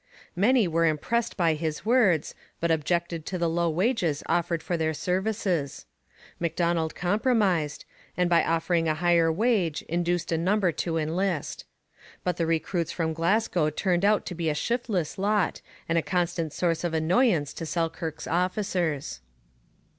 Many were impressed by his words, but objected to the low wages offered for their services. M'Donald compromised, and by offering a higher wage induced a number to enlist. But the recruits from Glasgow turned out to be a shiftless lot and a constant source of annoyance to Selkirk's officers.